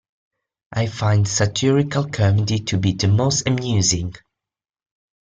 I find satirical comedy to be the most amusing.